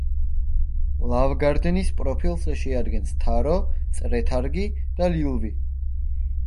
ლავგარდნის პროფილს შეადგენს თარო, წრეთარგი და ლილვი.